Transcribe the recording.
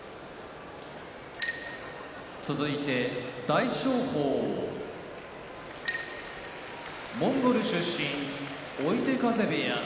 大翔鵬モンゴル出身追手風部屋